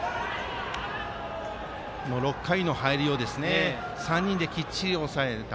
６回の入りを３人できっちり抑えた。